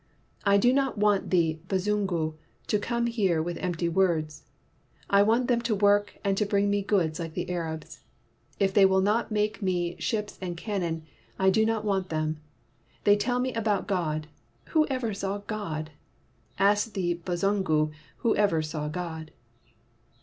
I don't want the Bazungu to come here with empty words. I want them to work and to bring me goods like the Arabs. If they will not make me ships and cannon, I do not want them. They tell me about God. Who ever saw God 1 Ask the Bazungu who ever saw God."